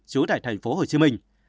trú tại thành phố hồ chí minh